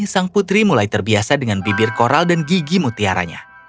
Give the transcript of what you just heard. sang putri mulai terbiasa dengan bibir koral dan gigi mutiaranya